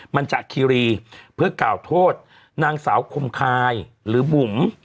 มันจะคีรีเพื่อกล่าวโทษนางสาวคมคายหรือบุ๋ม